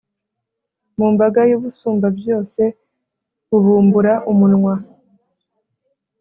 Mumbaga y’Umusumbabyose bubumbura umunwa,